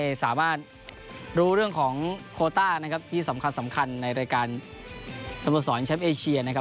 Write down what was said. สามารถรู้เรื่องของโคต้านะครับที่สำคัญสำคัญในรายการสโมสรแชมป์เอเชียนะครับ